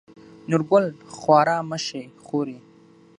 نورګل: خواره مه شې خورې.